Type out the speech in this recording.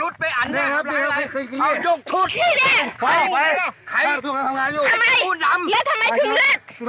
ทำไมแล้วทำไมถึงเลิก